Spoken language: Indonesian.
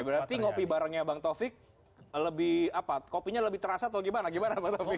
berarti ngopi barengnya bang taufik lebih apa kopinya lebih terasa atau gimana gimana bang taufik